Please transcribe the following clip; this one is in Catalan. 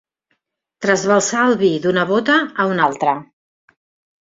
Trasbalsar el vi d'una bota a una altra.